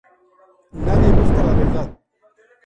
Nadie busca la verdad.